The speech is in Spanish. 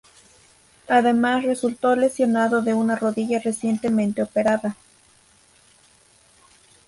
Además resultó lesionado de una rodilla recientemente operada.